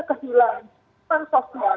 dia kehilangan hutan sosial